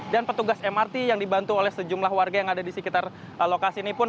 dan petugas mrt yang dibantu oleh sejumlah warga yang ada di sekitar lokasi ini pun